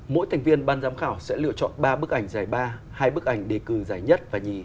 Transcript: mỗi thành viên ban giám khảo sẽ lựa chọn ba bức ảnh giải ba hai bức ảnh đề cử giải nhất và nhì